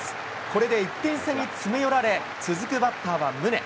これで１点差に詰め寄られ、続くバッターは宗。